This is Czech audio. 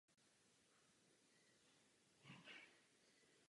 Byla zavedena dokonalejší regulace teploty i vlhkosti vzduchu a přívod kyslíku.